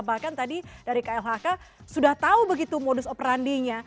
bahkan tadi dari klhk sudah tahu begitu modus operandinya